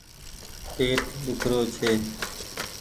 پيٽ ۮيک رو ڇي ۔